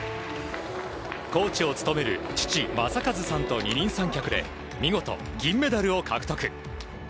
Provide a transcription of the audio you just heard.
コーチを務める父・正和さんと二人三脚で見事、銀メダルを獲得。